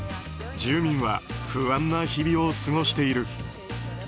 住民は不安な日々を過ごしている。